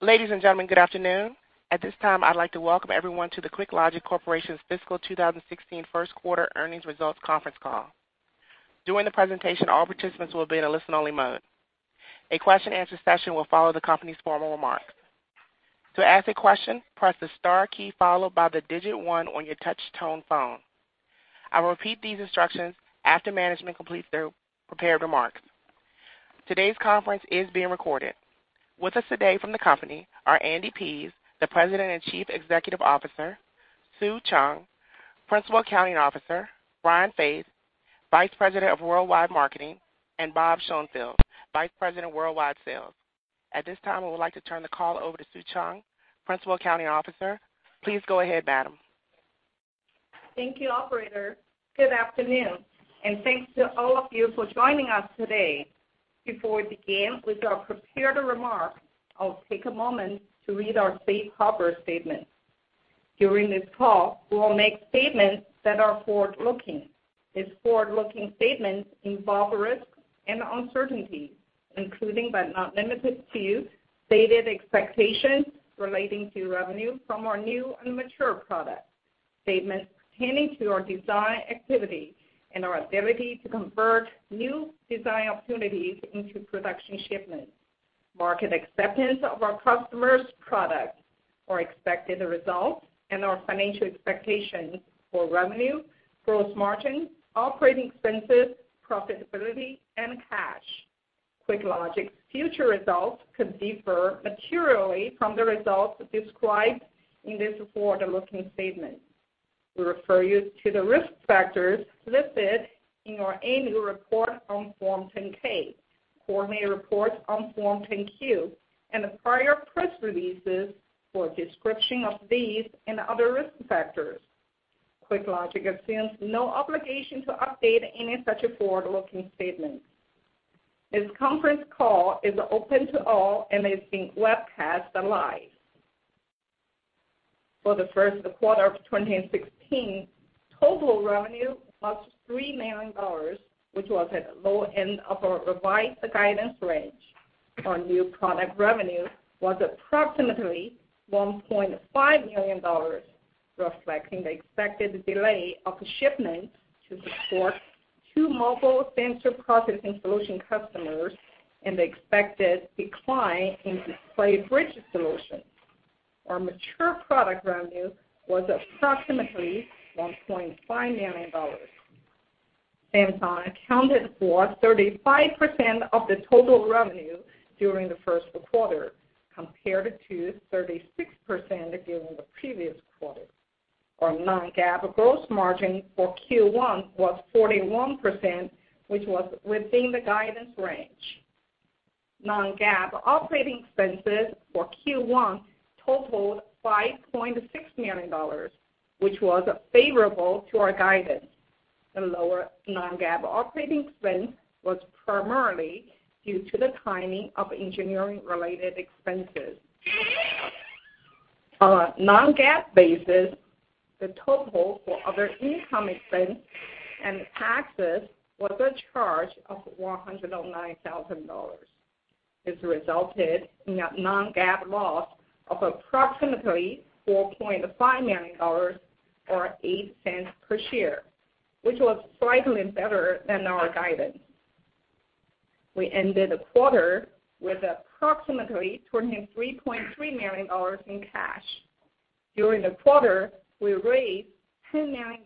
Ladies and gentlemen, good afternoon. At this time, I'd like to welcome everyone to the QuickLogic Corporation's fiscal 2016 first quarter earnings results conference call. During the presentation, all participants will be in a listen-only mode. A question-and-answer session will follow the company's formal remarks. To ask a question, press the star key followed by the digit one on your touch tone phone. I will repeat these instructions after management completes their prepared remarks. Today's conference is being recorded. With us today from the company are Andy Pease, the President and Chief Executive Officer, Sue Cheung, Principal Accounting Officer, Brian Faith, Vice President of Worldwide Marketing, and Bob Schoenfield, Vice President of Worldwide Sales. At this time, I would like to turn the call over to Sue Cheung, Principal Accounting Officer. Please go ahead, madam. Thank you, operator. Good afternoon, and thanks to all of you for joining us today. Before we begin with our prepared remarks, I'll take a moment to read our safe harbor statement. During this call, we will make statements that are forward-looking. These forward-looking statements involve risks and uncertainties, including but not limited to, stated expectations relating to revenue from our new and mature products, statements pertaining to our design activity, and our ability to convert new design opportunities into production shipments, market acceptance of our customers' products or expected results, and our financial expectations for revenue, gross margin, operating expenses, profitability, and cash. QuickLogic's future results could differ materially from the results described in these forward-looking statements. We refer you to the risk factors listed in our annual report on Form 10-K, quarterly reports on Form 10-Q, and prior press releases for a description of these and other risk factors. QuickLogic assumes no obligation to update any such forward-looking statements. This conference call is open to all and is being webcast live. For the first quarter of 2016, total revenue was $3 million, which was at the low end of our revised guidance range. Our new product revenue was approximately $1.5 million, reflecting the expected delay of shipments to support two mobile sensor processing solution customers and the expected decline in display bridge solutions. Our mature product revenue was approximately $1.5 million. Samsung accounted for 35% of the total revenue during the first quarter, compared to 36% during the previous quarter. Our non-GAAP gross margin for Q1 was 41%, which was within the guidance range. Non-GAAP operating expenses for Q1 totaled $5.6 million, which was favorable to our guidance. The lower non-GAAP operating expense was primarily due to the timing of engineering related expenses. On a non-GAAP basis, the total for other income expense and taxes was a charge of $109,000. This resulted in a non-GAAP loss of approximately $4.5 million, or $0.08 per share, which was slightly better than our guidance. We ended the quarter with approximately $23.3 million in cash. During the quarter, we raised $10 million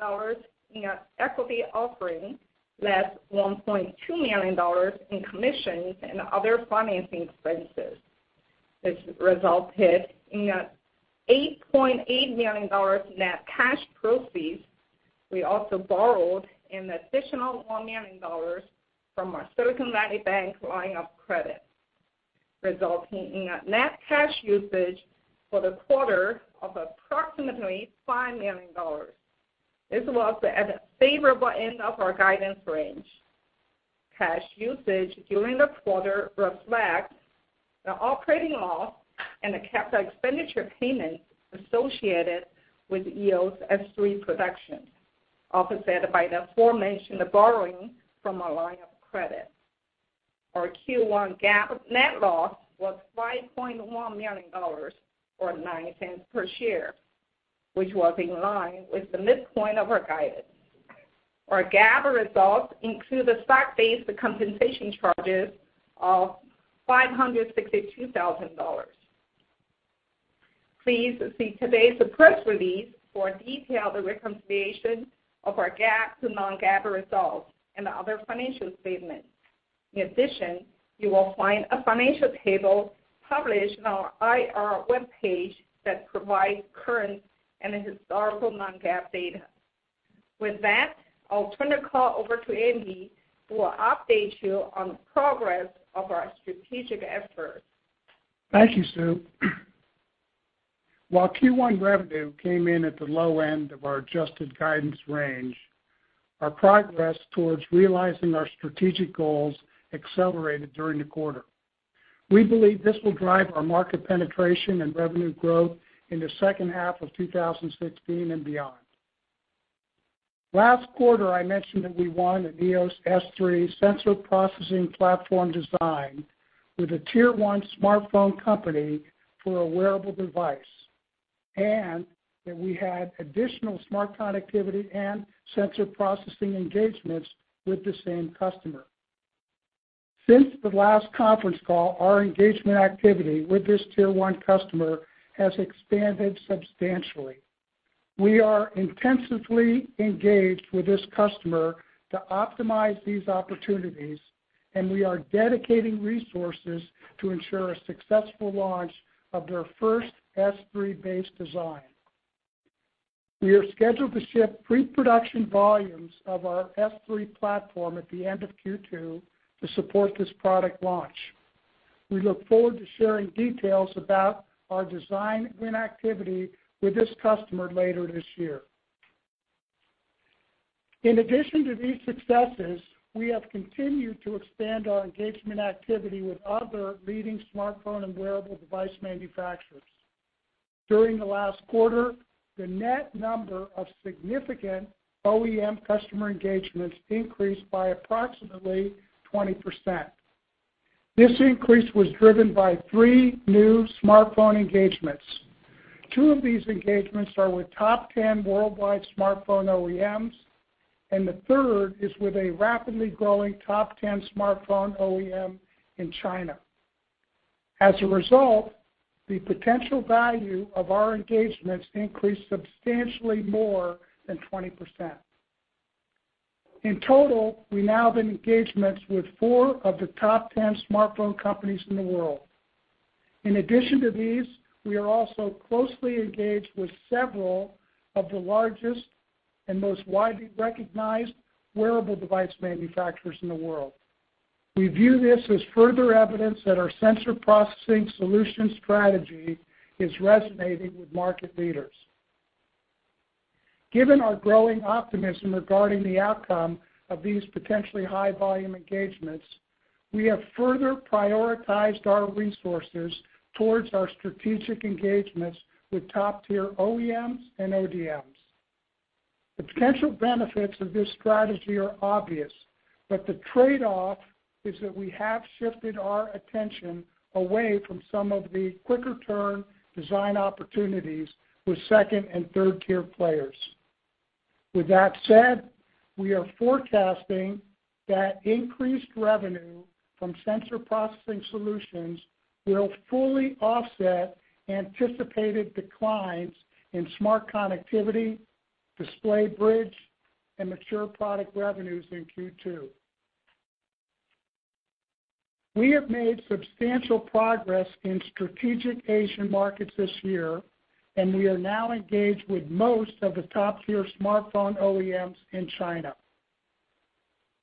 in an equity offering, less $1.2 million in commissions and other financing expenses, which resulted in an $8.8 million net cash proceeds. We also borrowed an additional $1 million from our Silicon Valley Bank line of credit, resulting in a net cash usage for the quarter of approximately $5 million. This was at the favorable end of our guidance range. Cash usage during the quarter reflects the operating loss and the capital expenditure payments associated with EOS S3 production, offset by the aforementioned borrowing from our line of credit. Our Q1 GAAP net loss was $5.1 million, or $0.09 per share, which was in line with the midpoint of our guidance. Our GAAP results include stock-based compensation charges of $562,000. Please see today's press release for a detailed reconciliation of our GAAP to non-GAAP results and other financial statements. In addition, you will find a financial table published on our IR webpage that provides current and historical non-GAAP data. With that, I'll turn the call over to Andy, who will update you on the progress of our strategic efforts. Thank you, Sue. While Q1 revenue came in at the low end of our adjusted guidance range, our progress towards realizing our strategic goals accelerated during the quarter. We believe this will drive our market penetration and revenue growth in the second half of 2016 and beyond. Last quarter, I mentioned that we won a EOS S3 sensor processing platform design with a tier 1 smartphone company for a wearable device, and that we had additional smart connectivity and sensor processing engagements with the same customer. Since the last conference call, our engagement activity with this tier 1 customer has expanded substantially. We are intensively engaged with this customer to optimize these opportunities, and we are dedicating resources to ensure a successful launch of their first S3-based design. We are scheduled to ship pre-production volumes of our S3 platform at the end of Q2 to support this product launch. We look forward to sharing details about our design win activity with this customer later this year. In addition to these successes, we have continued to expand our engagement activity with other leading smartphone and wearable device manufacturers. During the last quarter, the net number of significant OEM customer engagements increased by approximately 20%. This increase was driven by three new smartphone engagements. Two of these engagements are with top 10 worldwide smartphone OEMs, and the third is with a rapidly growing top 10 smartphone OEM in China. As a result, the potential value of our engagements increased substantially more than 20%. In total, we now have engagements with four of the top 10 smartphone companies in the world. In addition to these, we are also closely engaged with several of the largest and most widely recognized wearable device manufacturers in the world. We view this as further evidence that our sensor processing solution strategy is resonating with market leaders. Given our growing optimism regarding the outcome of these potentially high volume engagements, we have further prioritized our resources towards our strategic engagements with top tier OEMs and ODMs. The potential benefits of this strategy are obvious, but the trade-off is that we have shifted our attention away from some of the quicker turn design opportunities with second and third tier players. With that said, we are forecasting that increased revenue from sensor processing solutions will fully offset anticipated declines in smart connectivity, display bridge, and mature product revenues in Q2. We have made substantial progress in strategic Asian markets this year, and we are now engaged with most of the top tier smartphone OEMs in China.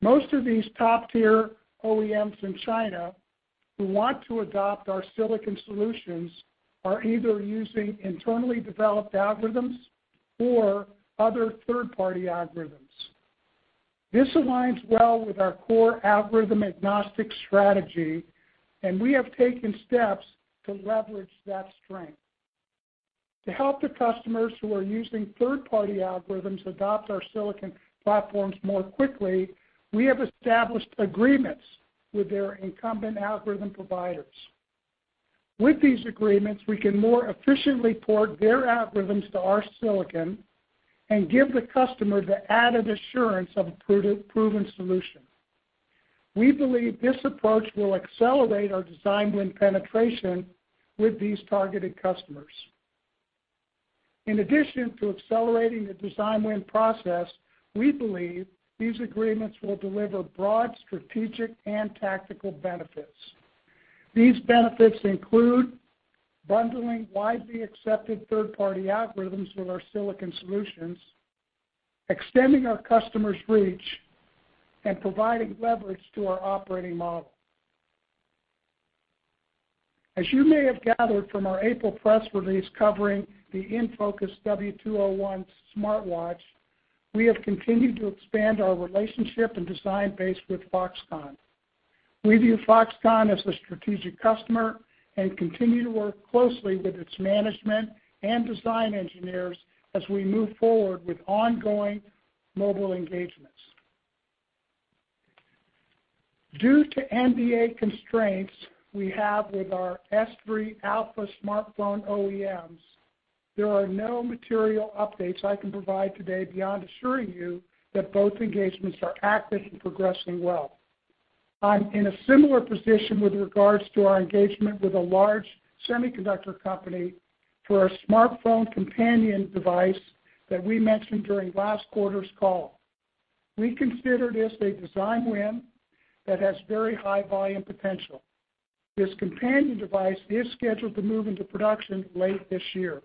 Most of these top tier OEMs in China who want to adopt our silicon solutions are either using internally developed algorithms or other third-party algorithms. This aligns well with our core algorithm agnostic strategy, and we have taken steps to leverage that strength. To help the customers who are using third-party algorithms adopt our silicon platforms more quickly, we have established agreements with their incumbent algorithm providers. With these agreements, we can more efficiently port their algorithms to our silicon and give the customer the added assurance of a proven solution. We believe this approach will accelerate our design win penetration with these targeted customers. In addition to accelerating the design win process, we believe these agreements will deliver broad strategic and tactical benefits. These benefits include bundling widely accepted third-party algorithms with our silicon solutions, extending our customers' reach, and providing leverage to our operating model. As you may have gathered from our April press release covering the InFocus W201 smartwatch, we have continued to expand our relationship and design base with Foxconn. We view Foxconn as a strategic customer and continue to work closely with its management and design engineers as we move forward with ongoing mobile engagements. Due to NDA constraints we have with our S3 Alpha smartphone OEMs, there are no material updates I can provide today beyond assuring you that both engagements are active and progressing well. I'm in a similar position with regards to our engagement with a large semiconductor company for a smartphone companion device that we mentioned during last quarter's call. We consider this a design win that has very high volume potential. This companion device is scheduled to move into production late this year.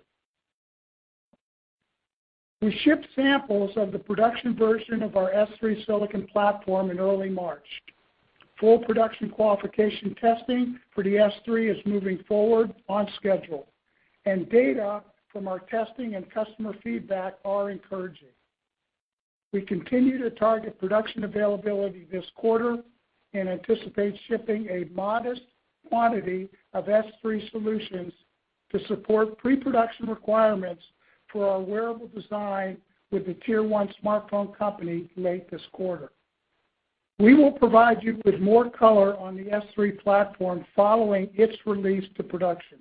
We shipped samples of the production version of our S3 silicon platform in early March. Full production qualification testing for the S3 is moving forward on schedule, and data from our testing and customer feedback are encouraging. We continue to target production availability this quarter and anticipate shipping a modest quantity of S3 solutions to support pre-production requirements for our wearable design with a tier 1 smartphone company late this quarter. We will provide you with more color on the S3 platform following its release to production.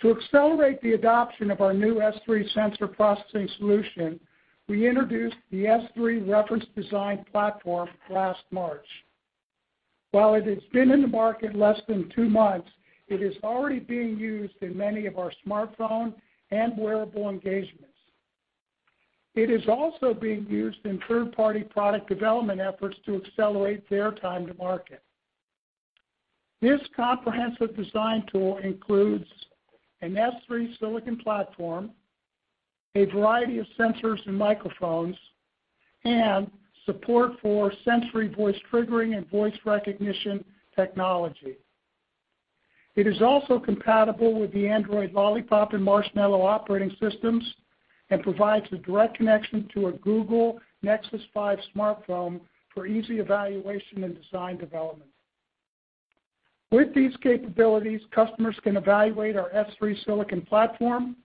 To accelerate the adoption of our new S3 sensor processing solution, we introduced the S3 reference design platform last March. While it has been in the market less than two months, it is already being used in many of our smartphone and wearable engagements. It is also being used in third-party product development efforts to accelerate their time to market. This comprehensive design tool includes an S3 silicon platform, a variety of sensors and microphones, and support for Sensory voice triggering and voice recognition technology. It is also compatible with the Android Lollipop and Marshmallow operating systems and provides a direct connection to a Google Nexus 5 smartphone for easy evaluation and design development. With these capabilities, customers can evaluate our S3 silicon platform,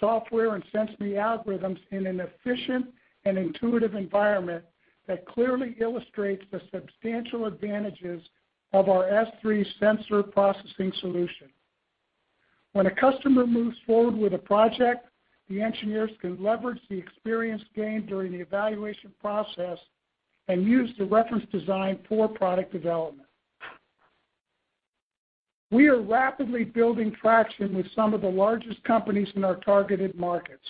software, and SenseMe algorithms in an efficient and intuitive environment that clearly illustrates the substantial advantages of our S3 sensor processing solution. When a customer moves forward with a project, the engineers can leverage the experience gained during the evaluation process and use the reference design for product development. We are rapidly building traction with some of the largest companies in our targeted markets.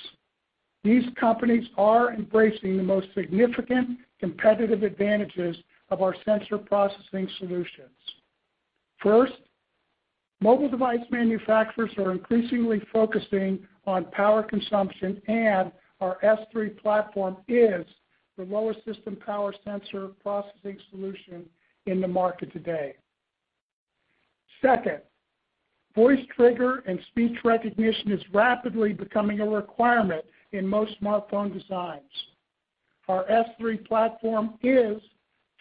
These companies are embracing the most significant competitive advantages of our sensor processing solutions. Finally, many mobile customers are embracing programmable logic as a means to optimize system architecture and accelerate the introduction of differentiating features. First, mobile device manufacturers are increasingly focusing on power consumption, and our S3 platform is the lowest system power sensor processing solution in the market today. Second, voice trigger and speech recognition is rapidly becoming a requirement in most smartphone designs. Our S3 platform is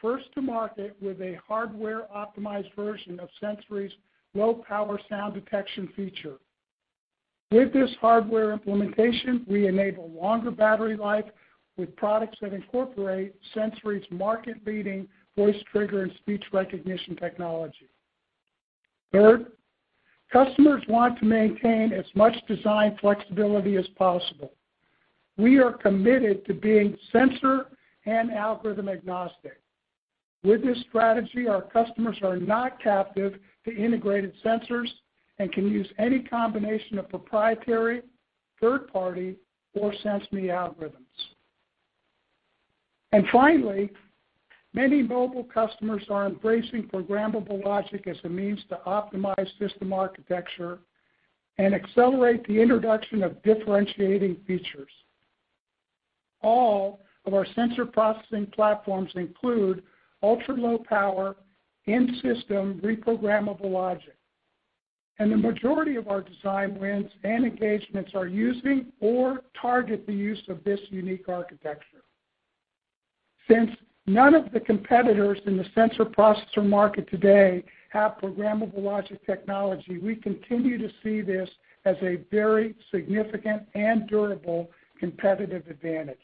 first to market with a hardware-optimized version of Sensory's low-power sound detection feature. With this hardware implementation, we enable longer battery life with products that incorporate Sensory's market-leading voice trigger and speech recognition technology. Third, customers want to maintain as much design flexibility as possible. We are committed to being sensor and algorithm agnostic. With this strategy, our customers are not captive to integrated sensors and can use any combination of proprietary, third party, or SenseMe algorithms. All of our sensor processing platforms include ultra-low power in-system reprogrammable logic, and the majority of our design wins and engagements are using or target the use of this unique architecture. Since none of the competitors in the sensor processor market today have programmable logic technology, we continue to see this as a very significant and durable competitive advantage.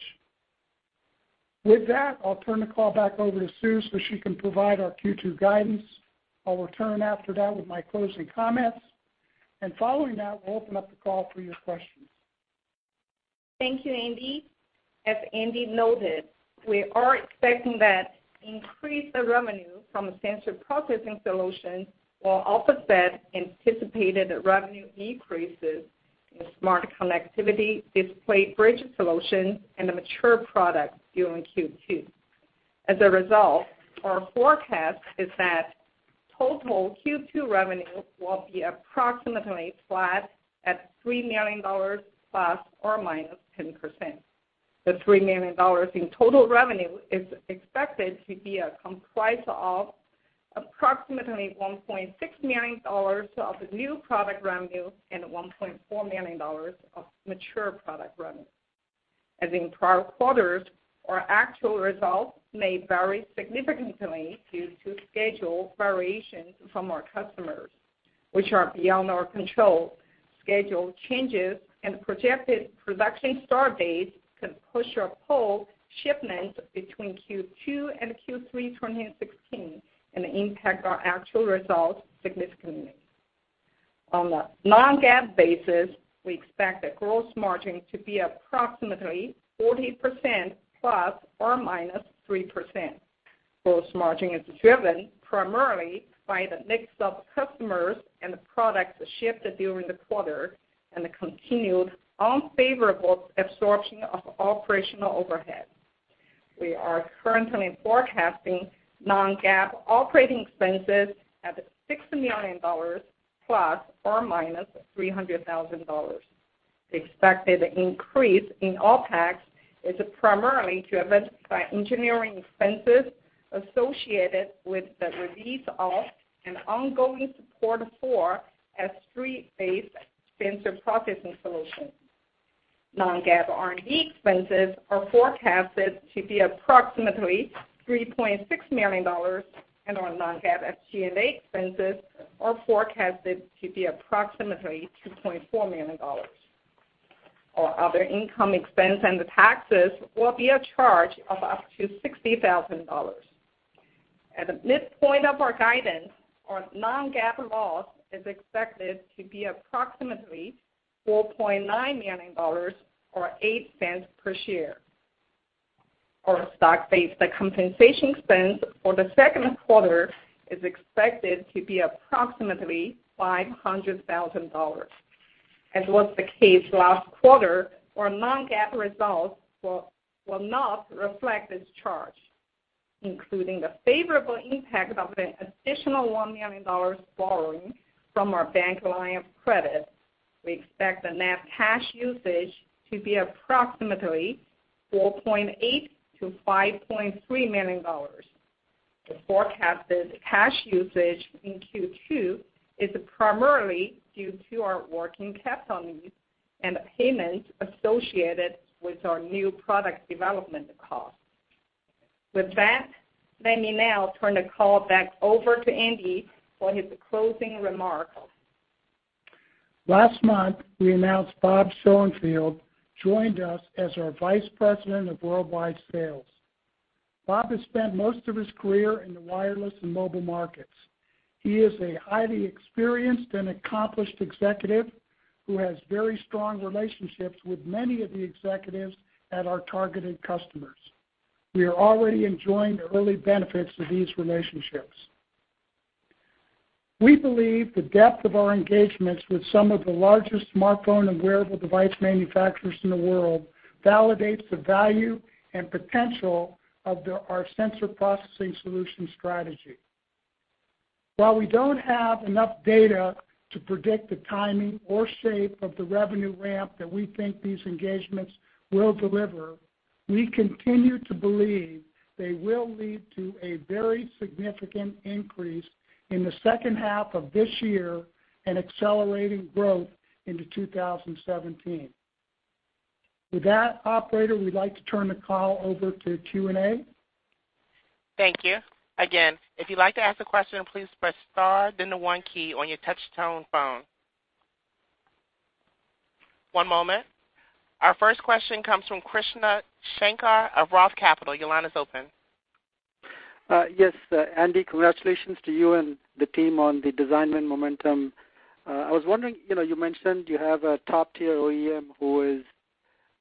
With that, I'll turn the call back over to Sue so she can provide our Q2 guidance. I'll return after that with my closing comments, and following that, we'll open up the call for your questions. Thank you, Andy. As Andy noted, we are expecting that increased revenue from sensor processing solutions will offset anticipated revenue decreases in smart connectivity, display bridge solutions, and mature products during Q2. As a result, our forecast is that total Q2 revenue will be approximately flat at $3 million, plus or minus 10%. The $3 million in total revenue is expected to be comprised of approximately $1.6 million of new product revenue and $1.4 million of mature product revenue. As in prior quarters, our actual results may vary significantly due to schedule variations from our customers, which are beyond our control. Schedule changes and projected production start dates can push or pull shipments between Q2 and Q3 2016 and impact our actual results significantly. On a non-GAAP basis, we expect the gross margin to be approximately 40%, plus or minus 3%. Gross margin is driven primarily by the mix of customers and the products shipped during the quarter and the continued unfavorable absorption of operational overhead. We are currently forecasting non-GAAP operating expenses at $6 million, plus or minus $300,000. The expected increase in OpEx is primarily driven by engineering expenses associated with the release of and ongoing support for S3-based sensor processing solutions. Non-GAAP R&D expenses are forecasted to be approximately $3.6 million, and our non-GAAP SG&A expenses are forecasted to be approximately $2.4 million. Our other income expense and the taxes will be a charge of up to $60,000. At the midpoint of our guidance, our non-GAAP loss is expected to be approximately $4.9 million or $0.08 per share. Our stock-based compensation expense for the second quarter is expected to be approximately $500,000. As was the case last quarter, our non-GAAP results will not reflect this charge. Including the favorable impact of an additional $1 million borrowing from our bank line of credit, we expect the net cash usage to be approximately $4.8 million to $5.3 million. The forecasted cash usage in Q2 is primarily due to our working capital needs and the payments associated with our new product development costs. With that, let me now turn the call back over to Andy for his closing remarks. Last month, we announced Bob Schoenfeld joined us as our Vice President of Worldwide Sales. Bob has spent most of his career in the wireless and mobile markets. He is a highly experienced and accomplished executive who has very strong relationships with many of the executives at our targeted customers. We are already enjoying the early benefits of these relationships. We believe the depth of our engagements with some of the largest smartphone and wearable device manufacturers in the world validates the value and potential of our sensor processing solution strategy. While we don't have enough data to predict the timing or shape of the revenue ramp that we think these engagements will deliver, we continue to believe they will lead to a very significant increase in the second half of this year and accelerating growth into 2017. With that, operator, we'd like to turn the call over to Q&A. Thank you. Again, if you'd like to ask a question, please press star then the one key on your touch-tone phone. One moment. Our first question comes from Krishna Shankar of ROTH Capital. Your line is open. Yes. Andy, congratulations to you and the team on the design win momentum. I was wondering, you mentioned you have a top-tier OEM who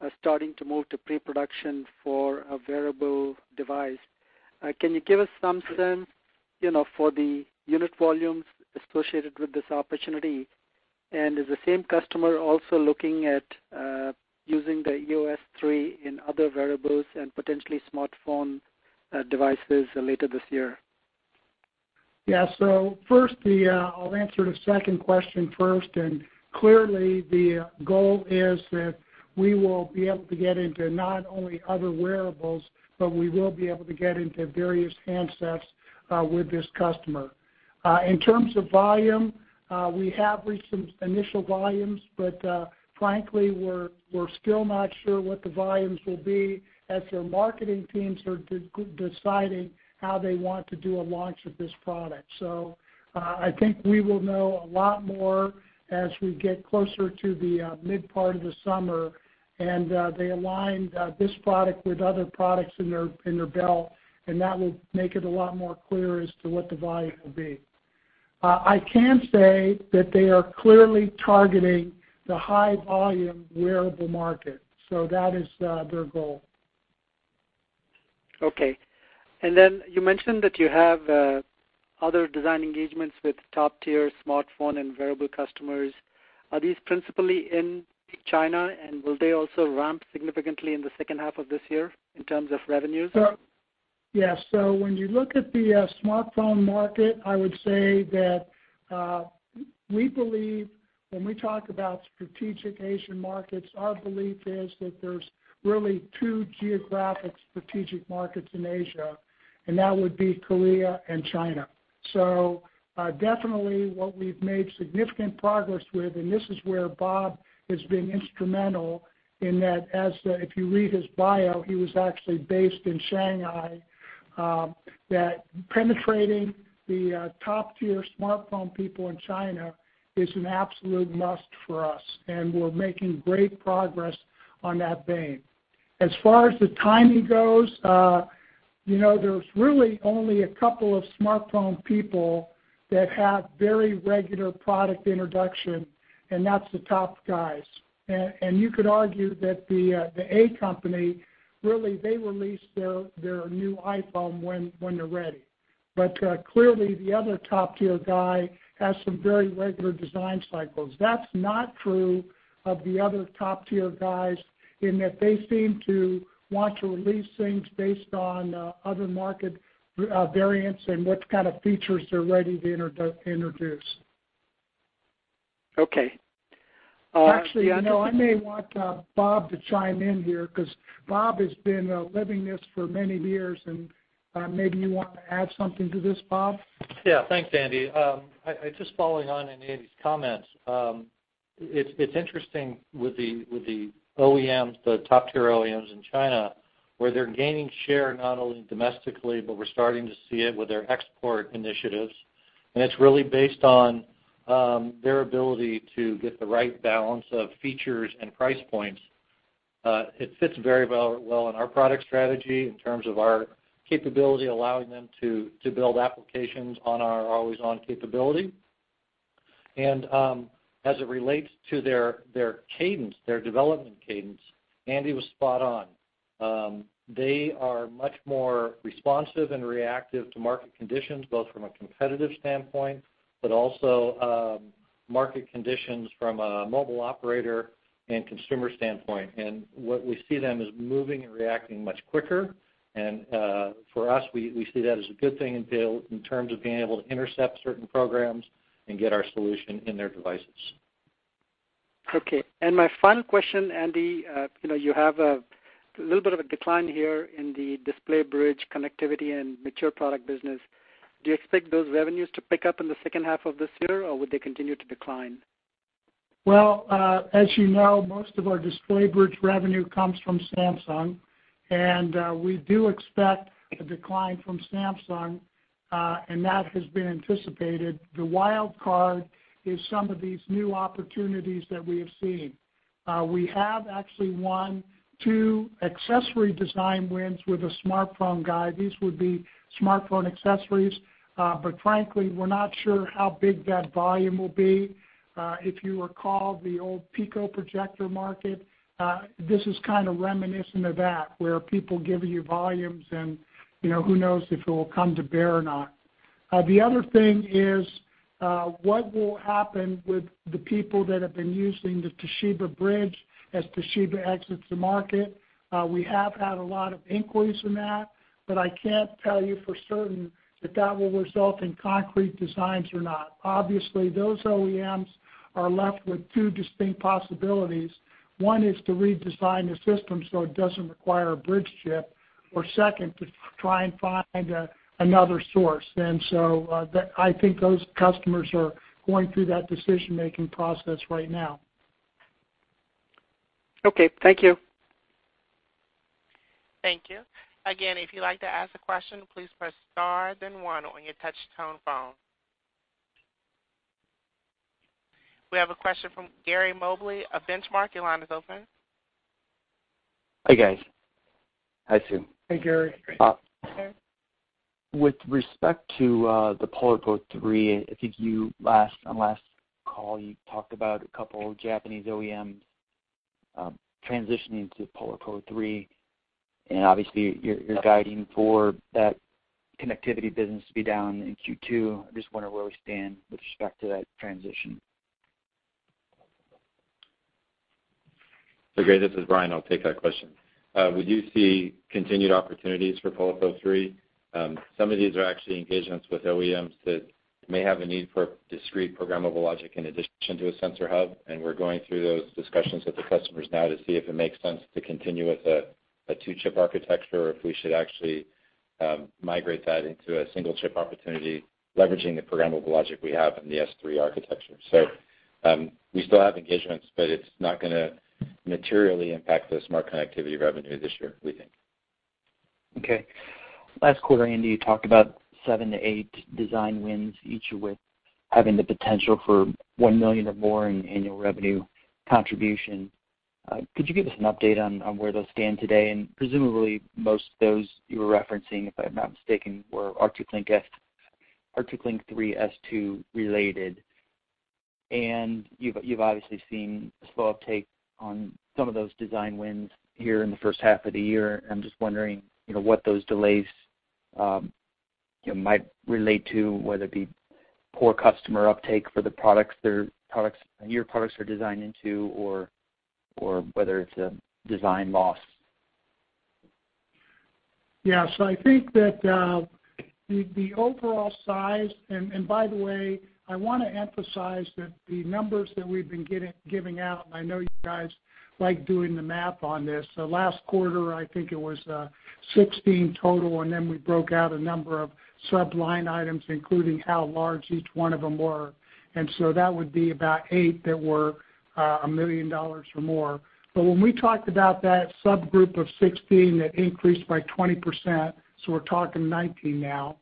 is starting to move to pre-production for a wearable device. Can you give us some sense for the unit volumes associated with this opportunity? Is the same customer also looking at using the EOS S3 in other wearables and potentially smartphone devices later this year? First, I'll answer the second question first. Clearly the goal is that we will be able to get into not only other wearables, but we will be able to get into various handsets with this customer. In terms of volume, we have reached some initial volumes, but frankly, we're still not sure what the volumes will be as their marketing teams are deciding how they want to do a launch of this product. I think we will know a lot more as we get closer to the mid part of the summer, and they align this product with other products in their belt. That will make it a lot more clear as to what the volume will be. I can say that they are clearly targeting the high-volume wearable market. That is their goal. Okay. You mentioned that you have other design engagements with top-tier smartphone and wearable customers. Are these principally in China? Will they also ramp significantly in the second half of this year in terms of revenues? Yes. When you look at the smartphone market, I would say that we believe when we talk about strategic Asian markets, our belief is that there's really two geographic strategic markets in Asia. That would be Korea and China. Definitely what we've made significant progress with, and this is where Bob has been instrumental in that, if you read his bio, he was actually based in Shanghai, that penetrating the top-tier smartphone people in China is an absolute must for us. We're making great progress on that vein. As far as the timing goes, there's really only a couple of smartphone people that have very regular product introduction. That's the top guys. You could argue that the A company, really, they release their new iPhone when they're ready. Clearly the other top-tier guy has some very regular design cycles. That's not true of the other top-tier guys in that they seem to want to release things based on other market variants and what kind of features they're ready to introduce. Okay. Actually, I may want Bob to chime in here because Bob has been living this for many years. Maybe you want to add something to this, Bob? Yeah. Thanks, Andy. Just following on Andy's comments. It's interesting with the OEMs, the top-tier OEMs in China, where they're gaining share not only domestically, but we're starting to see it with their export initiatives. It's really based on their ability to get the right balance of features and price points. It fits very well in our product strategy in terms of our capability, allowing them to build applications on our always-on capability. As it relates to their development cadence, Andy was spot on. They are much more responsive and reactive to market conditions, both from a competitive standpoint, but also market conditions from a mobile operator and consumer standpoint. What we see them is moving and reacting much quicker. For us, we see that as a good thing in terms of being able to intercept certain programs and get our solution in their devices. Okay. My final question, Andy, you have a little bit of a decline here in the display bridge connectivity and mature product business. Do you expect those revenues to pick up in the second half of this year, or would they continue to decline? Well, as you know, most of our display bridge revenue comes from Samsung, and we do expect a decline from Samsung, and that has been anticipated. The wild card is some of these new opportunities that we have seen. We have actually won two accessory design wins with a smartphone guy. These would be smartphone accessories. Frankly, we're not sure how big that volume will be. If you recall the old pico projector market, this is kind of reminiscent of that, where people give you volumes, and who knows if it will come to bear or not. The other thing is what will happen with the people that have been using the Toshiba bridge as Toshiba exits the market? We have had a lot of inquiries in that, but I can't tell you for certain that that will result in concrete designs or not. Obviously, those OEMs are left with two distinct possibilities. One is to redesign the system so it doesn't require a bridge chip, or second, to try and find another source. So I think those customers are going through that decision-making process right now. Okay. Thank you. Thank you. Again, if you'd like to ask a question, please press star then one on your touch-tone phone. We have a question from Gary Mobley of Benchmark. Your line is open. Hi, guys. Hi, team. Hey, Gary. Hi, Gary. With respect to the PolarPro 3, I think on last call, you talked about a couple of Japanese OEMs transitioning to PolarPro 3, and obviously you're guiding for that connectivity business to be down in Q2. I just wonder where we stand with respect to that transition. Gary, this is Brian. I'll take that question. We do see continued opportunities for PolarPro 3. Some of these are actually engagements with OEMs that may have a need for discrete programmable logic in addition to a sensor hub, and we're going through those discussions with the customers now to see if it makes sense to continue with a two-chip architecture or if we should actually migrate that into a single-chip opportunity, leveraging the programmable logic we have in the S3 architecture. We still have engagements, but it's not going to materially impact the smart connectivity revenue this year, we think. Okay. Last quarter, Andy, you talked about seven to eight design wins, each with having the potential for $1 million or more in annual revenue contribution. Could you give us an update on where those stand today? Presumably, most of those you were referencing, if I'm not mistaken, were ArcticLink 3 S2 related. You've obviously seen a slow uptake on some of those design wins here in the first half of the year. I'm just wondering what those delays might relate to, whether it be poor customer uptake for the products your products are designed into, or whether it's a design loss. Yeah. I think that the overall size, and by the way, I want to emphasize that the numbers that we've been giving out, I know you guys like doing the math on this. Last quarter, I think it was 16 total. Then we broke out a number of sub-line items, including how large each one of them were. That would be about eight that were $1 million or more. When we talked about that subgroup of 16 that increased by 20%, we're talking 19 now,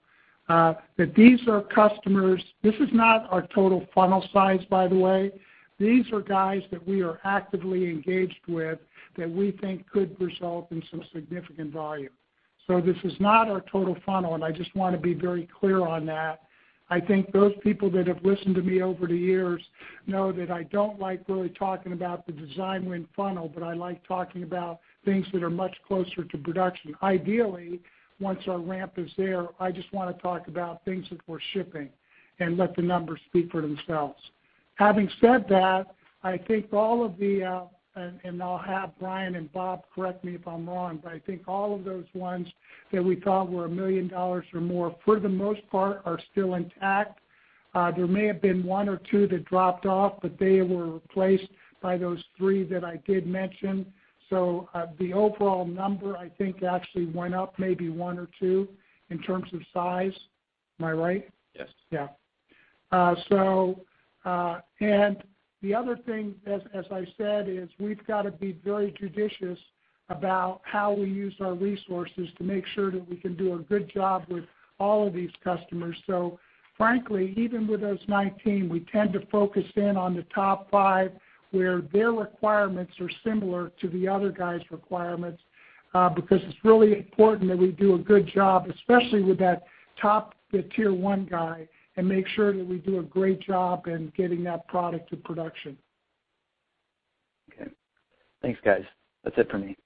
that these are customers. This is not our total funnel size, by the way. These are guys that we are actively engaged with that we think could result in some significant volume. This is not our total funnel. I just want to be very clear on that. I think those people that have listened to me over the years know that I don't like really talking about the design win funnel. I like talking about things that are much closer to production. Ideally, once our ramp is there, I just want to talk about things that we're shipping and let the numbers speak for themselves. Having said that, I think all of the, I'll have Brian and Bob correct me if I'm wrong, I think all of those ones that we thought were $1 million or more, for the most part, are still intact. There may have been one or two that dropped off. They were replaced by those three that I did mention. The overall number, I think, actually went up maybe one or two in terms of size. Am I right? Yes. Yeah. The other thing, as I said, is we've got to be very judicious about how we use our resources to make sure that we can do a good job with all of these customers. Frankly, even with those 19, we tend to focus in on the top five, where their requirements are similar to the other guys' requirements, because it's really important that we do a good job, especially with that top tier 1 guy, and make sure that we do a great job in getting that product to production. Okay. Thanks, guys. That's it for me.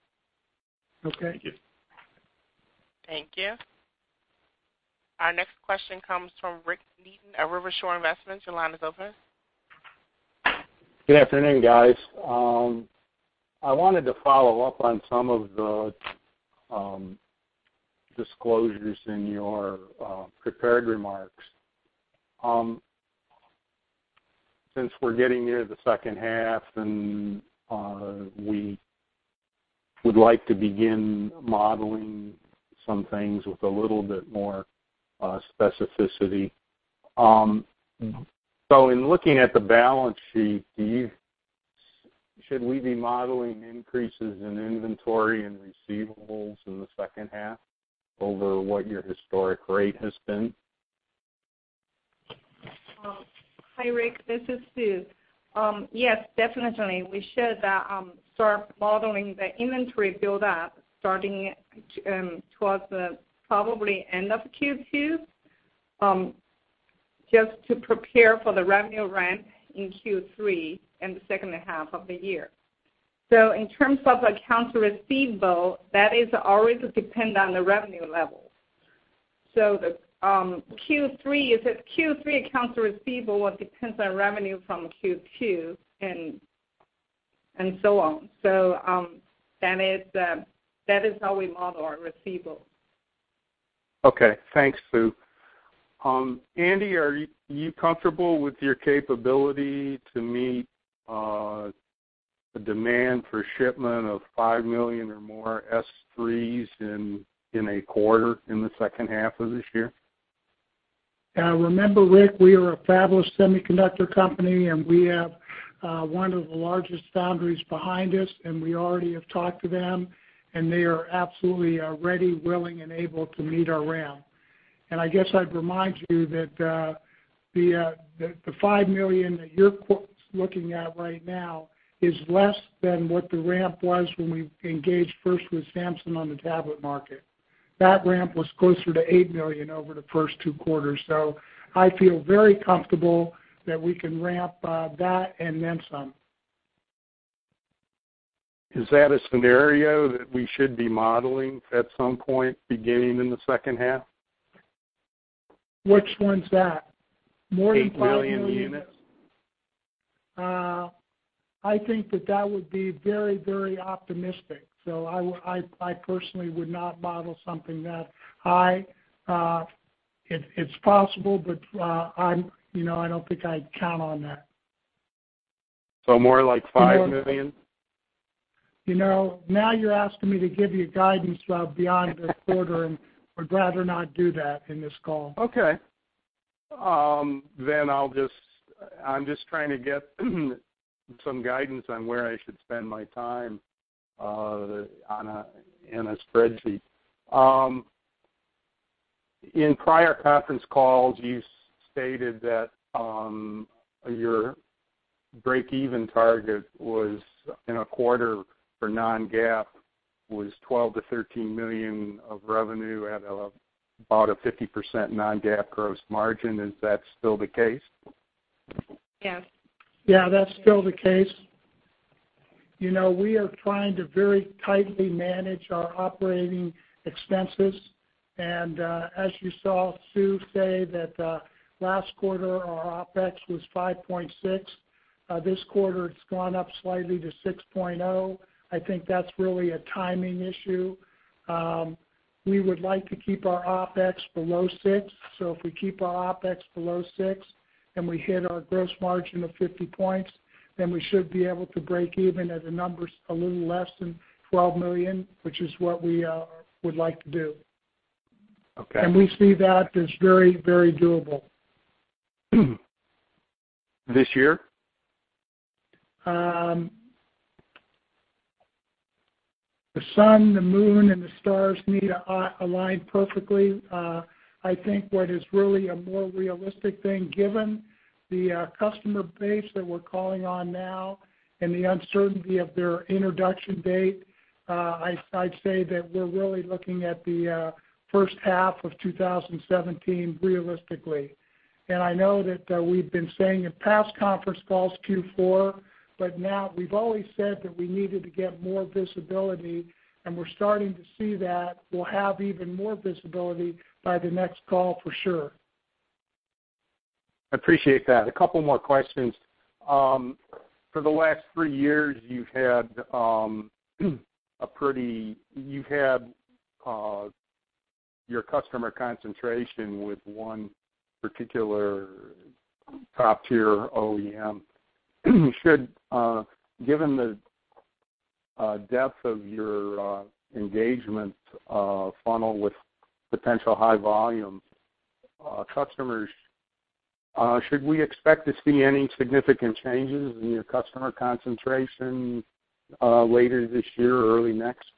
Okay. Thank you. Thank you. Our next question comes from Rick Neaton at River Shore Investments. Your line is open. Good afternoon, guys. I wanted to follow up on some of the disclosures in your prepared remarks. Since we're getting near the second half, and we would like to begin modeling some things with a little bit more specificity. In looking at the balance sheet, should we be modeling increases in inventory and receivables in the second half over what your historic rate has been? Hi, Rick. This is Sue. Yes, definitely, we should start modeling the inventory buildup starting towards the probably end of Q2, just to prepare for the revenue ramp in Q3 and the second half of the year. In terms of accounts receivable, that is always dependent on the revenue level. The Q3 accounts receivable depends on revenue from Q2 and so on. That is how we model our receivables. Okay. Thanks, Sue. Andy, are you comfortable with your capability to meet the demand for shipment of $5 million or more S3s in a quarter in the second half of this year? Remember, Rick, we are a fabless semiconductor company, and we have one of the largest foundries behind us, and we already have talked to them, and they are absolutely ready, willing, and able to meet our ramp. I guess I'd remind you that the $5 million that you're looking at right now is less than what the ramp was when we engaged first with Samsung on the tablet market. That ramp was closer to $8 million over the first two quarters. I feel very comfortable that we can ramp that and then some. Is that a scenario that we should be modeling at some point, beginning in the second half? Which one's that? More than 5 million- 8 million units. I think that that would be very optimistic. I personally would not model something that high. It's possible, but I don't think I'd count on that. More like 5 million? Now you're asking me to give you guidance beyond this quarter, would rather not do that in this call. Okay. I'm just trying to get some guidance on where I should spend my time on a spreadsheet. In prior conference calls, you stated that your break-even target was in a quarter for non-GAAP was $12 million-$13 million of revenue at about a 50% non-GAAP gross margin. Is that still the case? Yes. Yeah, that's still the case. We are trying to very tightly manage our operating expenses. As you saw Sue say that last quarter, our OpEx was $5.6 million. This quarter, it's gone up slightly to $6.0 million. I think that's really a timing issue. We would like to keep our OpEx below six. If we keep our OpEx below six and we hit our gross margin of 50 points, then we should be able to break even at the numbers a little less than $12 million, which is what we would like to do. Okay. We see that as very doable. This year? The sun, the moon, and the stars need to align perfectly. I think what is really a more realistic thing, given the customer base that we're calling on now and the uncertainty of their introduction date I'd say that we're really looking at the first half of 2017 realistically. I know that we've been saying in past conference calls Q4, now we've always said that we needed to get more visibility, and we're starting to see that we'll have even more visibility by the next call for sure. I appreciate that. A couple more questions. For the last three years, you've had your customer concentration with one particular top-tier OEM. Given the depth of your engagement funnel with potential high-volume customers, should we expect to see any significant changes in your customer concentration later this year or early next?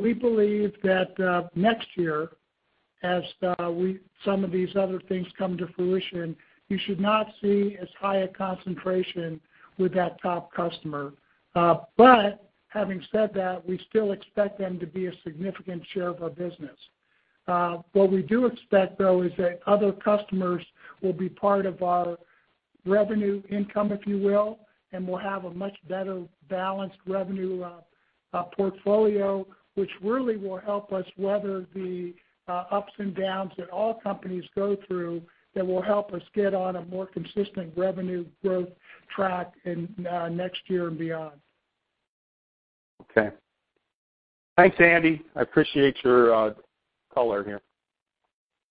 We believe that next year, as some of these other things come to fruition, you should not see as high a concentration with that top customer. Having said that, we still expect them to be a significant share of our business. What we do expect, though, is that other customers will be part of our revenue income, if you will, and we'll have a much better balanced revenue portfolio, which really will help us weather the ups and downs that all companies go through, that will help us get on a more consistent revenue growth track next year and beyond. Thanks, Andy. I appreciate your color here.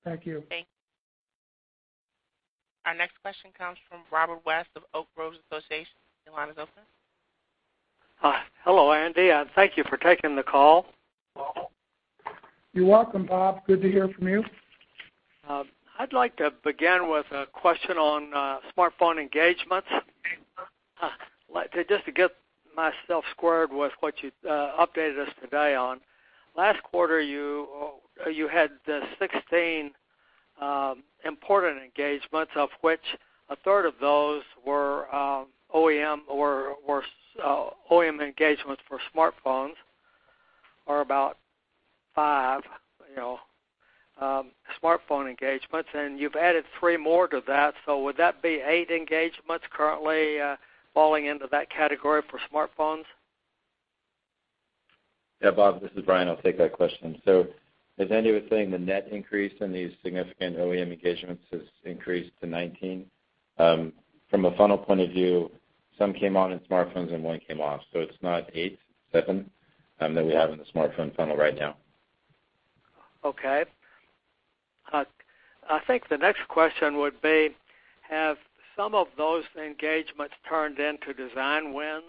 Thank you. Thank you. Our next question comes from Robert West of Oak Grove Association. Your line is open. Hello, Andy, thank you for taking the call. You're welcome, Bob. Good to hear from you. I'd like to begin with a question on smartphone engagements. Just to get myself squared with what you updated us today on, last quarter, you had the 16 important engagements, of which a third of those were OEM engagements for smartphones, or about five smartphone engagements. You've added three more to that, would that be eight engagements currently falling into that category for smartphones? Yeah, Bob, this is Brian. I'll take that question. As Andy was saying, the net increase in these significant OEM engagements has increased to 19. From a funnel point of view, some came on in smartphones and one came off. It's not eight, seven that we have in the smartphone funnel right now. Okay. I think the next question would be, have some of those engagements turned into design wins?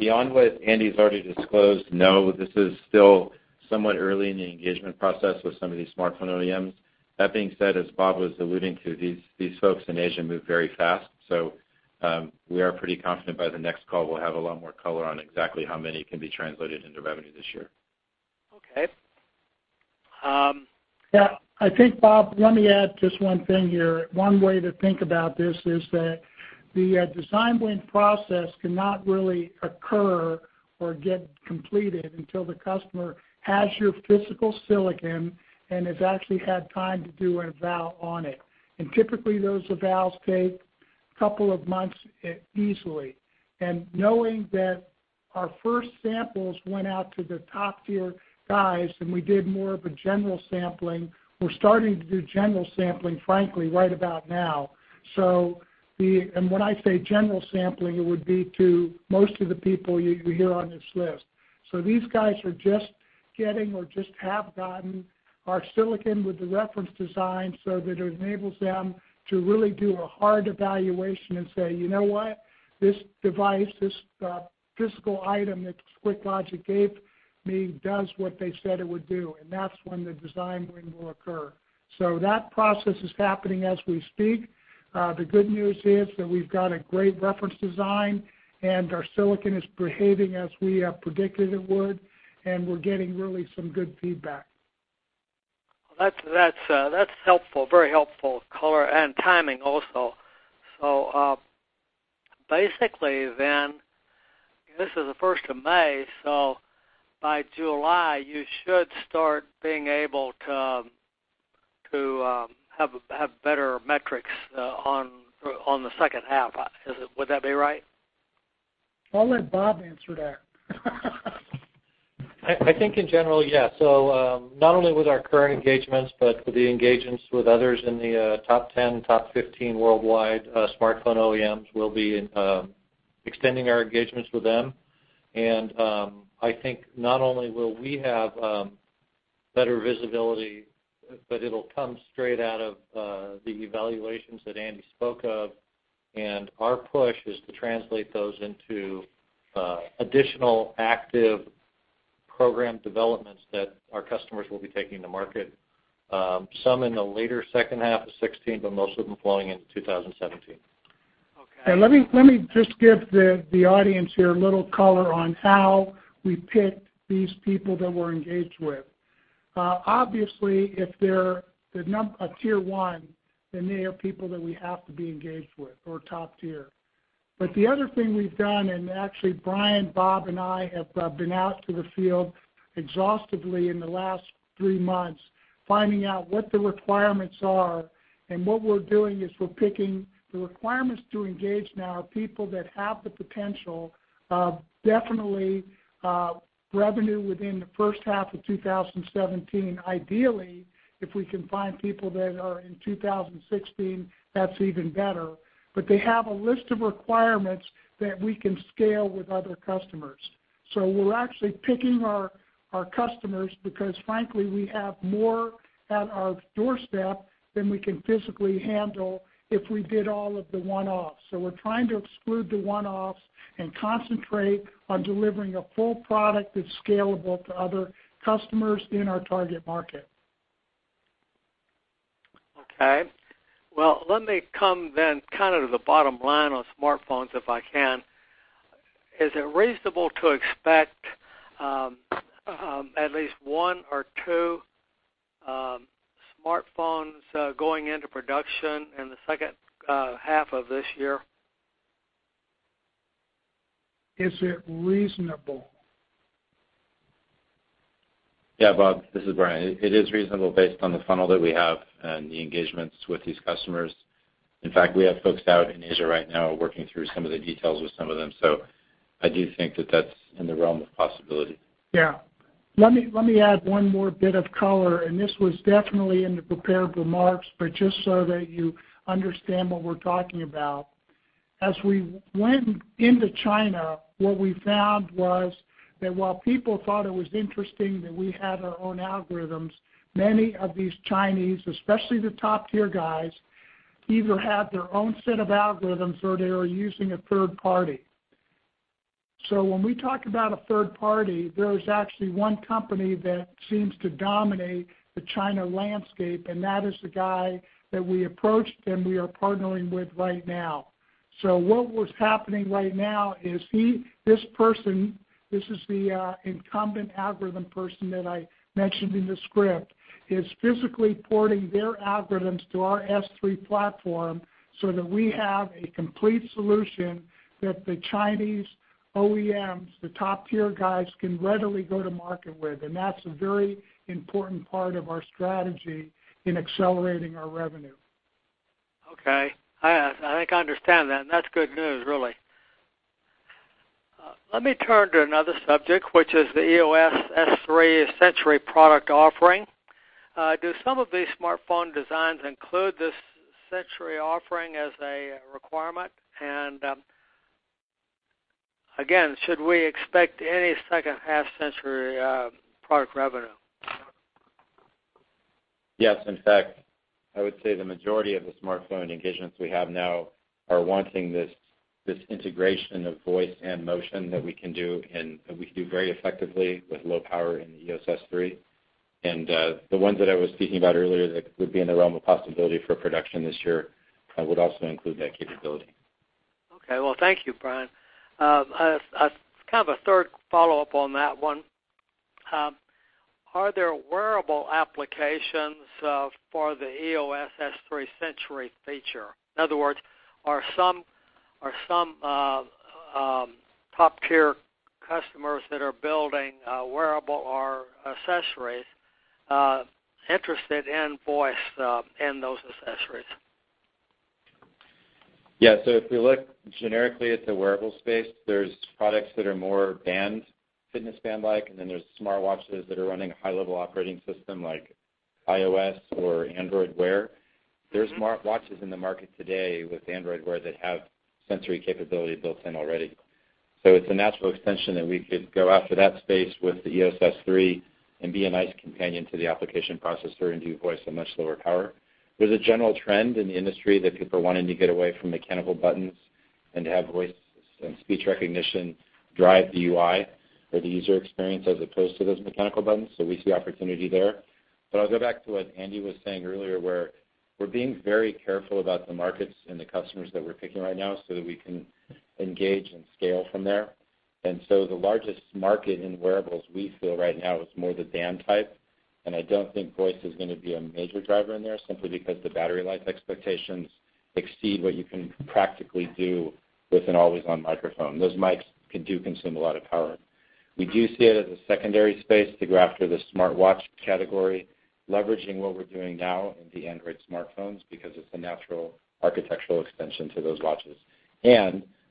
Beyond what Andy's already disclosed, no. This is still somewhat early in the engagement process with some of these smartphone OEMs. That being said, as Bob was alluding to, these folks in Asia move very fast. We are pretty confident by the next call we'll have a lot more color on exactly how many can be translated into revenue this year. Okay. Yeah, I think, Bob, let me add just one thing here. One way to think about this is that the design win process cannot really occur or get completed until the customer has your physical silicon and has actually had time to do an an eval on it. Typically, those evals take a couple of months easily. Knowing that our first samples went out to the top-tier guys, we did more of a general sampling, we're starting to do general sampling, frankly, right about now. When I say general sampling, it would be to most of the people you hear on this list. These guys are just getting or just have gotten our silicon with the reference design so that it enables them to really do a hard evaluation and say, "You know what? This device, this physical item that QuickLogic gave me, does what they said it would do." That's when the design win will occur. That process is happening as we speak. The good news is that we've got a great reference design, and our silicon is behaving as we have predicted it would, and we're getting really some good feedback. That's helpful, very helpful color and timing also. Basically, then, this is the 1st of May, by July, you should start being able to have better metrics on the second half. Would that be right? I'll let Bob answer that. I think in general, yeah. Not only with our current engagements, but with the engagements with others in the top 10, top 15 worldwide smartphone OEMs, we'll be extending our engagements with them. I think not only will we have better visibility, but it'll come straight out of the evaluations that Andy spoke of. Our push is to translate those into additional active program developments that our customers will be taking to market, some in the later second half of 2016, but most of them flowing into 2017. Okay. Let me just give the audience here a little color on how we pick these people that we're engaged with. Obviously, if they're tier 1, then they are people that we have to be engaged with, or top tier. The other thing we've done, actually Brian, Bob, and I have been out to the field exhaustively in the last three months finding out what the requirements are. What we're doing is we're picking the requirements to engage now are people that have the potential of definitely revenue within the first half of 2017, ideally If we can find people that are in 2016, that's even better. They have a list of requirements that we can scale with other customers. We're actually picking our customers because frankly, we have more at our doorstep than we can physically handle if we did all of the one-offs. We're trying to exclude the one-offs and concentrate on delivering a full product that's scalable to other customers in our target market. Okay. Well, let me come then to the bottom line on smartphones, if I can. Is it reasonable to expect at least one or two smartphones going into production in the second half of this year? Is it reasonable? Yeah, Bob, this is Brian. It is reasonable based on the funnel that we have and the engagements with these customers. In fact, we have folks out in Asia right now working through some of the details with some of them. I do think that that's in the realm of possibility. Yeah. Let me add one more bit of color. This was definitely in the prepared remarks, but just so that you understand what we're talking about. As we went into China, what we found was that while people thought it was interesting that we had our own algorithms, many of these Chinese, especially the top-tier guys, either have their own set of algorithms, or they are using a third party. When we talk about a third party, there is actually one company that seems to dominate the China landscape, and that is the guy that we approached and we are partnering with right now. What was happening right now is this person, this is the incumbent algorithm person that I mentioned in the script, is physically porting their algorithms to our S3 platform so that we have a complete solution that the Chinese OEMs, the top-tier guys, can readily go to market with. That's a very important part of our strategy in accelerating our revenue. Okay. I think I understand that. That's good news, really. Let me turn to another subject, which is the product offering. Do some of these smartphone designs include this Sensory offering as a requirement? Again, should we expect any second half Sensory product revenue? Yes. In fact, I would say the majority of the smartphone engagements we have now are wanting this integration of voice and motion that we can do very effectively with low power in the EOS S3. The ones that I was speaking about earlier that would be in the realm of possibility for production this year would also include that capability. Okay. Well, thank you, Brian. As kind of a third follow-up on that one, are there wearable applications for the EOS S3 Sensory feature? In other words, are some top-tier customers that are building wearable or accessories interested in voice in those accessories? Yeah. If we look generically at the wearable space, there's products that are more band, fitness band-like, and then there's smartwatches that are running a high-level operating system like iOS or Android Wear. There's smartwatches in the market today with Android Wear that have sensory capability built in already. It's a natural extension that we could go after that space with the EOS S3 and be a nice companion to the application processor and do voice at much lower power. There's a general trend in the industry that people are wanting to get away from mechanical buttons and have voice and speech recognition drive the UI or the user experience as opposed to those mechanical buttons, we see opportunity there. I'll go back to what Andy was saying earlier, where we're being very careful about the markets and the customers that we're picking right now so that we can engage and scale from there. The largest market in wearables we feel right now is more the band type, and I don't think voice is going to be a major driver in there simply because the battery life expectations exceed what you can practically do with an always-on microphone. Those mics do consume a lot of power. We do see it as a secondary space to go after the smartwatch category, leveraging what we're doing now in the Android smartphones because it's a natural architectural extension to those watches.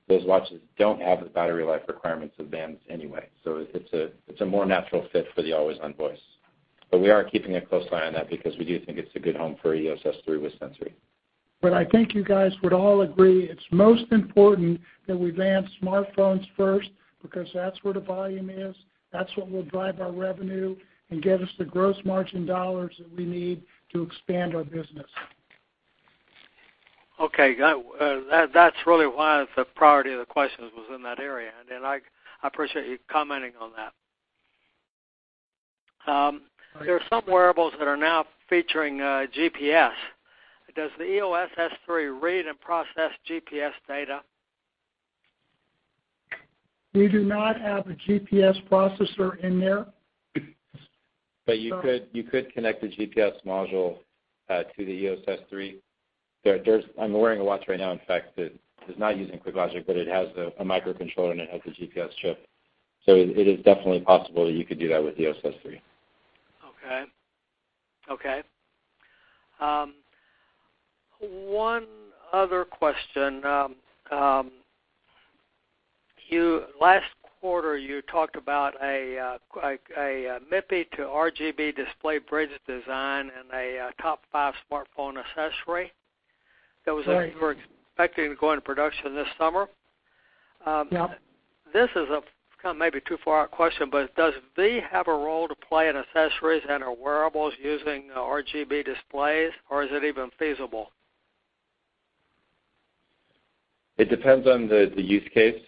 Those watches don't have the battery life requirements of bands anyway. It's a more natural fit for the always-on voice. We are keeping a close eye on that because we do think it's a good home for EOS S3 with sensory. I think you guys would all agree it's most important that we land smartphones first because that's where the volume is, that's what will drive our revenue, and get us the gross margin dollars that we need to expand our business. Okay. That's really why the priority of the questions was in that area. I appreciate you commenting on that. There are some wearables that are now featuring GPS. Does the EOS S3 read and process GPS data? We do not have a GPS processor in there. You could connect a GPS module to the EOS S3. I'm wearing a watch right now, in fact, that is not using QuickLogic, but it has a microcontroller, and it has a GPS chip. It is definitely possible that you could do that with EOS S3. Okay. One other question. Last quarter, you talked about a MIPI to RGB display bridge design and a top five smartphone accessory that you were expecting to go into production this summer. Yep. This is maybe too far out question, does VEE have a role to play in accessories and/or wearables using RGB displays, or is it even feasible? It depends on the use case.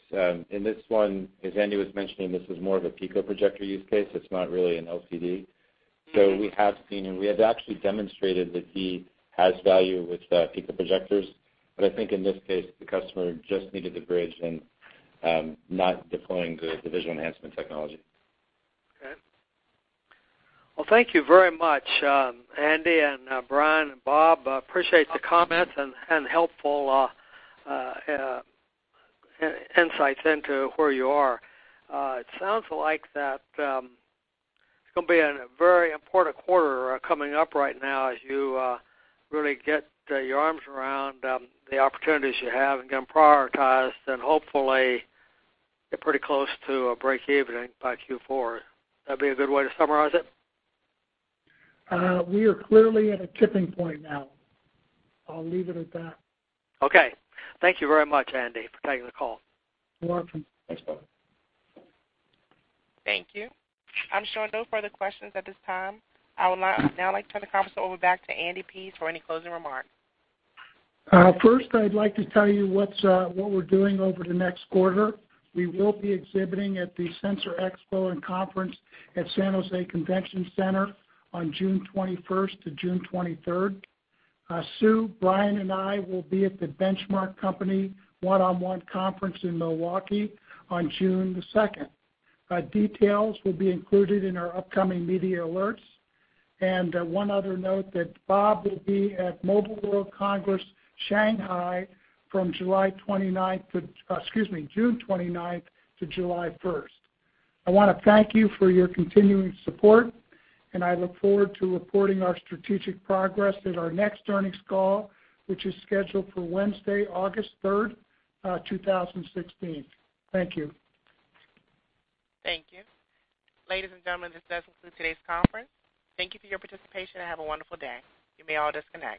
In this one, as Andy was mentioning, this is more of a pico projector use case. It's not really an LCD. We have seen, and we have actually demonstrated that VEE has value with pico projectors. I think in this case, the customer just needed the bridge and not deploying the visual enhancement technology. Okay. Well, thank you very much, Andy and Brian and Bob. Appreciate the comments and helpful insights into where you are. It sounds like that it's going to be a very important quarter coming up right now as you really get your arms around the opportunities you have and get them prioritized and hopefully get pretty close to a break-even by Q4. That'd be a good way to summarize it? We are clearly at a tipping point now. I'll leave it at that. Okay. Thank you very much, Andy, for taking the call. You're welcome. Thanks, Bob. Thank you. I'm showing no further questions at this time. I would now like to turn the conference over back to Andy Pease for any closing remarks. First, I'd like to tell you what we're doing over the next quarter. We will be exhibiting at Sensors Converge at San Jose Convention Center on June 21st to June 23rd. Sue, Brian, and I will be at The Benchmark Company one-on-one conference in Milwaukee on June 2nd. Details will be included in our upcoming media alerts. One other note that Bob will be at Mobile World Congress Shanghai from June 29th to July 1st. I want to thank you for your continuing support, and I look forward to reporting our strategic progress at our next earnings call, which is scheduled for Wednesday, August 3rd, 2016. Thank you. Thank you. Ladies and gentlemen, this does conclude today's conference. Thank you for your participation and have a wonderful day. You may all disconnect.